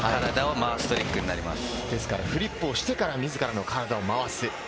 フリップをしてから、自らの体を回す。